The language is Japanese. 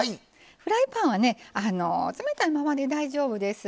フライパンはね冷たいままで大丈夫です。